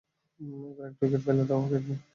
এবার একটা উইকেট ফেলেই দাও, ক্যাপ্টেন!